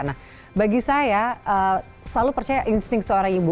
nah bagi saya selalu percaya insting seorang ibu